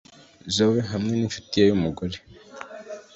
Zoe - hamwe n'inshuti ye y'umugore